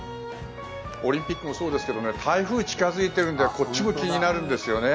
オリンピックもそうですが台風も近付いているのでこっちも気になるんですよね。